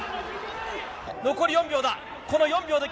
残り４秒だ。